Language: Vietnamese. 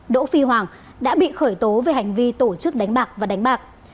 đỗ phi hoàng đã bị khởi tố về hành vi tổ chức đánh bạc và đánh bạc